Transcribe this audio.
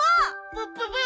プッププ！